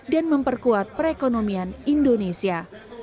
dan memperkuat perekonomian indonesia